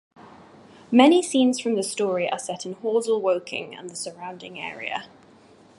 Many scenes from the story are set in Horsell, Woking and the surrounding area.